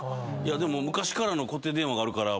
でも昔からの固定電話があるから僕んち。